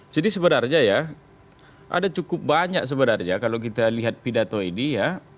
jadi sebenarnya ya ada cukup banyak sebenarnya kalau kita lihat pidato ini ya